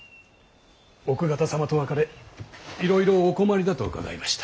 奥方様と別れいろいろお困りだと伺いました。